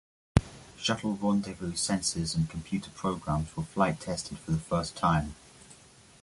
Shuttle rendezvous sensors and computer programs were flight-tested for the first time.